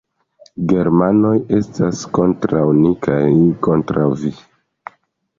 Germanoj estas kontraŭ ni kaj kontraŭ vi.